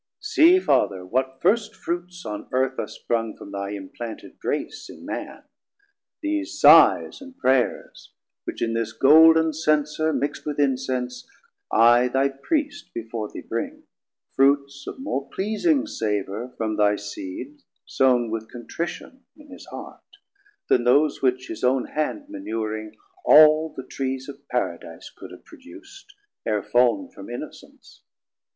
See Father, what first fruits on Earth are sprung From thy implanted Grace in Man, these Sighs And Prayers, which in this Golden Censer, mixt With Incense, I thy Priest before thee bring, Fruits of more pleasing savour from thy seed Sow'n with contrition in his heart, then those Which his own hand manuring all the Trees Of Paradise could have produc't, ere fall'n From innocence.